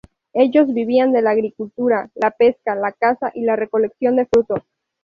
Ellos vivían de la agricultura, la pesca, la caza y la recolección de frutos.